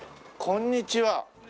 こんにちは。